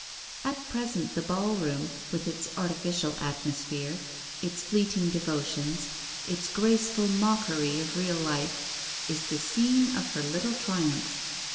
At present, the ball room, with its artificial atmosphere, its fleeting devotions, its grace ful mockery of real life, is the scene of her little triumphs.